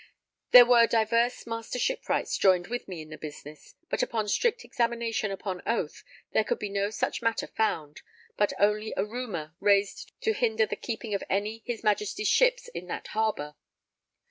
There were divers Master Shipwrights joined with me in the business, but upon strict examination upon oath there could be no such matter found, but only a rumour raised to hinder the keeping of any his Majesty's ships in that harbour.